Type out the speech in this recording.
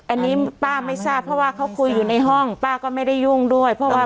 อันนี้ป้าไม่ทราบเพราะว่าเขาคุยอยู่ในห้องป้าก็ไม่ได้ยุ่งด้วยเพราะว่า